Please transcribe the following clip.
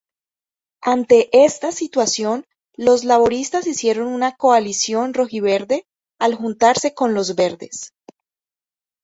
Ante esta situación, los laboristas hicieron una coalición "roji-verde", al juntarse con los verdes.